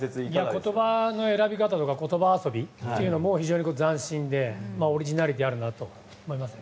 言葉の選び方とか言葉遊びも非常に斬新でオリジナリティーがあるなと思いますね。